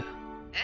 え？